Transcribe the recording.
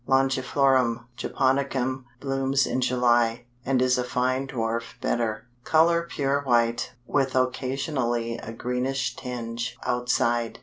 Longiflorum Japonicum blooms in July, and is a fine dwarf bedder; color pure white, with occasionally a greenish tinge outside.